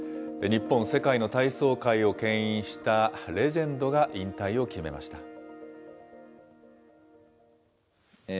日本、世界の体操界をけん引したレジェンドが引退を決めました。